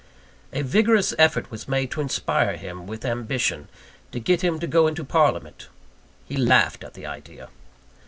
A vigorous effort was made to inspire him with ambition; to get him to go into parliament. He laughed at the idea.